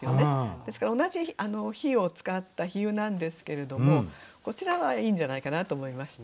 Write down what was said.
ですから同じ火を使った比喩なんですけれどもこちらはいいんじゃないかなと思いました。